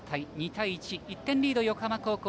２対１、１点リードの横浜高校。